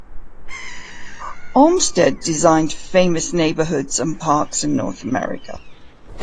Olmsted designed famous neighbourhoods and parks in North America.